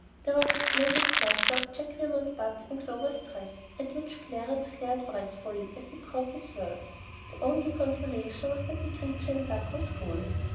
There was a splendid cluster of Jacqueminot buds in Clover's dress, at which Clarence glared wrathfully as he caught these words. The only consolation was that the creature in duck was going.